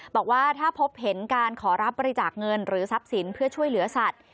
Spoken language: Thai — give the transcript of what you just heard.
บอกว่าถ้าพบเห็นการขอรับบริจาคเงินหรือทรัพย์สินเพื่อช่วยเหลือสัตว์